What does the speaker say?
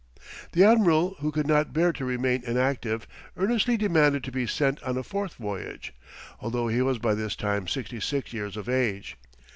The admiral, who could not bear to remain inactive, earnestly demanded to be sent on a fourth voyage, although he was by this time sixty six years of age.